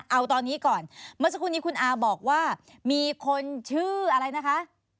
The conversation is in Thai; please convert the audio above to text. เอาตอนนี้ก่อนเมื่อสักครู่นี้คุณอาบอกว่ามีคนชื่ออะไรนะคะ